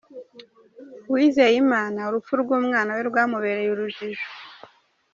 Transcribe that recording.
Uwizeyimana, urupfu rw’umwana we rwamubereye urujijo.